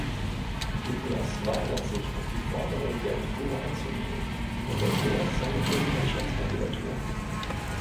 Douglas weigert sich, auf die Forderungen der Entführer einzugehen und erklärt seine Präsidentschaftskandidatur.